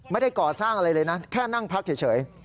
ไม่ได้ก่อสร้างอะไรเลยนะแค่นั่งพักเฉย